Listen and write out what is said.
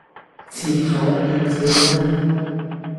廁所要小心